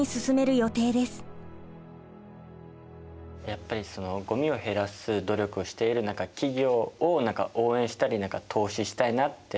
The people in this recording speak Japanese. やっぱりごみを減らす努力をしている企業を応援したり投資したいなって